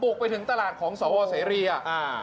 ไปถึงตลาดของสวเสรีอ่ะอ่า